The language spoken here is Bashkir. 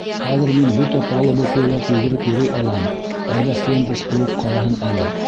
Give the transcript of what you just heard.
Хәҙер мин бөтә палуба буйлап йүгереп йөрөй алам, әйҙә Хэндс ҡыуып ҡараһын әле.